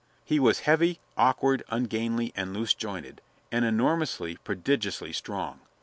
He was heavy, awkward, ungainly and loose jointed, and enormously, prodigiously strong.